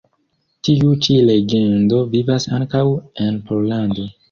Tiu ĉi legendo vivas ankaŭ en Pollando.